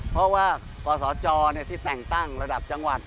เพราะว่ากศจที่แต่งตั้งระดับจังหวัด